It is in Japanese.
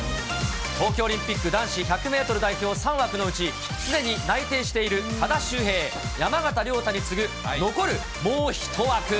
東京オリンピック男子１００メートル代表３枠のうち、すでに内定している多田修平、山縣亮太に次ぐ、残るもう１枠。